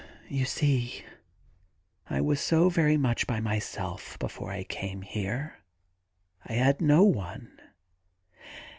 ... You see I was so much by myself before I came here. I had no one.